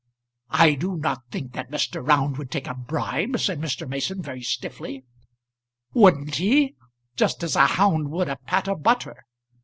"I do not think that Mr. Round would take a bribe," said Mr. Mason very stiffly. "Wouldn't he? Just as a hound would a pat of butter.